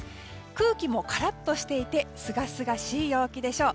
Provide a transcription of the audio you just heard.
空気もカラッとしていてすがすがしい陽気でしょう。